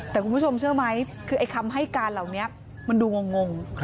แต่คุณผู้ชมเชื่อไหมคือไอ้คำให้การเหล่านี้มันดูงง